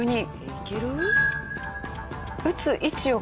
いける？